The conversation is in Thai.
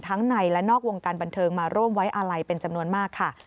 ในและนอกวงการบันเทิงมาร่วมไว้อาลัยเป็นจำนวนมากค่ะ